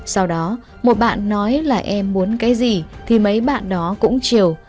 sau đó một bạn nói là em muốn cái gì thì mấy bạn đó cũng chiều